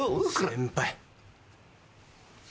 先輩。